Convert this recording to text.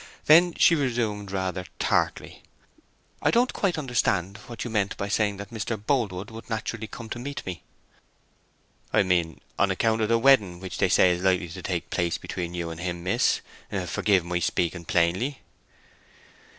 Then she resumed rather tartly— "I don't quite understand what you meant by saying that Mr. Boldwood would naturally come to meet me." "I meant on account of the wedding which they say is likely to take place between you and him, miss. Forgive my speaking plainly."